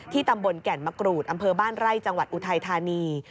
ตำบลแก่นมะกรูดอำเภอบ้านไร่จังหวัดอุทัยธานี